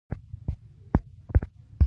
افغانستان د دغو دښتو یو کوربه دی.